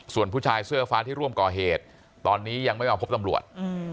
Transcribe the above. ส่วนผู้ชายเสื้อฟ้าที่ร่วมก่อเหตุตอนนี้ยังไม่มาพบตำรวจ